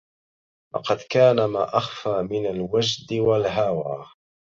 لقد كاد ما أخفي من الوجد والهوى